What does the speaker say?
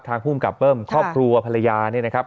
ภูมิกับเบิ้มครอบครัวภรรยาเนี่ยนะครับ